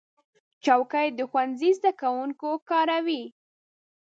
چوکۍ د ښوونځي زده کوونکي کاروي.